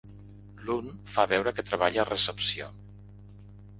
L'un, fa veure que treballa a recepció.